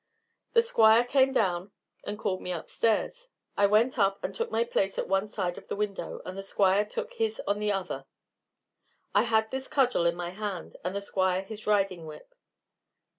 The Squire came down and called me upstairs. I went up and took my place at one side of the window, and the Squire took his on the other. I had this cudgel in my hand, and the Squire his riding whip.